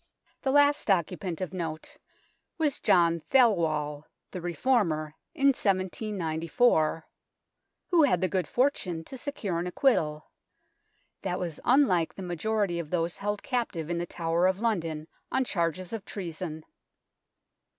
The last occupant of note was John Thelwall, the Reformer, in 1794, who had the good fortune to secure an acquittal. That was unlike the majority of those held captive in the Tower of London on charges of treason.